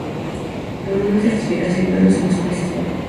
Logró una certificación de oro en los Países Bajos.